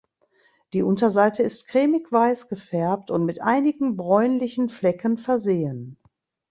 Die Unterseite ist cremig weiß gefärbt und mit einigen bräunlichen Flecken versehen.